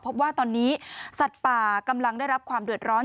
พบว่าตอนนี้สัตว์ป่ากำลังได้รับความเดือดร้อน